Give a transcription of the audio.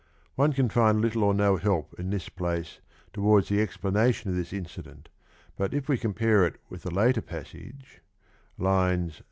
One can find little or no help in this place towards the explanation of this incident, but if we com pare with it a later passage (632 sq.)